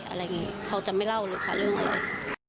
อะไรอย่างนี้เขาจะไม่เล่าเลยค่ะเรื่องอะไร